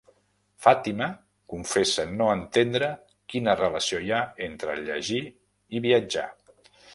Fàtima confessa no entendre quina relació hi ha entre llegir i viatjar.